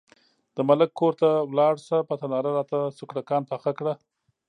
د ملک کور ته لاړه شه، په تناره راته سوکړکان پاخه کړه.